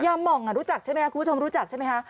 หม่องรู้จักใช่ไหมครับคุณผู้ชมรู้จักใช่ไหมคะ